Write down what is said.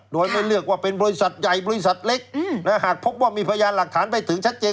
โดยไม่เลือกว่าเป็นบริษัทใหญ่บริษัทเล็กหากพบว่ามีพยานหลักฐานไปถึงชัดเจน